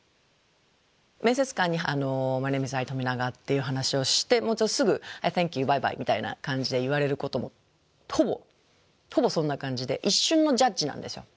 面接官に「マイネームイズアイ・トミナガ」っていう話をしてもすぐ「サンキューバイバイ」みたいな感じで言われることもほぼほぼそんな感じで一瞬のジャッジなんですよ。